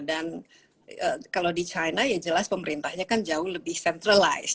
dan kalau di china ya jelas pemerintahnya kan jauh lebih centralized